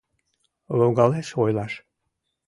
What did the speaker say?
Логалеш ойлаш